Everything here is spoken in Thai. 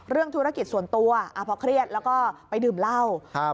เรื่องธุรกิจส่วนตัวอ่าพอเครียดแล้วก็ไปดื่มเหล้าครับ